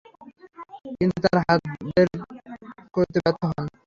কিন্তু হাত দ্বারা বের করতে ব্যর্থ হন।